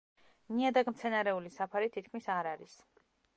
ნიადაგ-მცენარეული საფარი თითქმის არ არის.